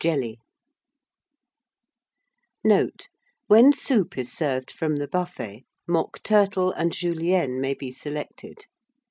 Note: When soup is served from the buffet, Mock Turtle and Julienne may be selected.